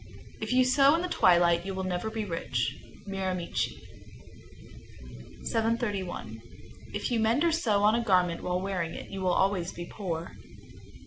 _ 730. If you sew in the twilight, you will never be rich. Miramichi, N.B. 731. If you mend or sew on a garment while wearing it, you will always be poor.